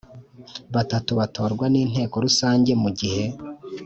Batatu Batorwa N Inteko Rusange Mu Gihe